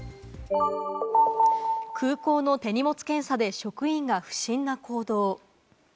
空港の手荷物検査で職員が不審な行動。